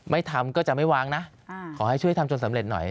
ไม่ทำก็จะไม่วางนะขอให้ช่วยทำจนสำเร็จหน่อย